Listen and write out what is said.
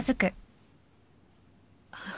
あっ。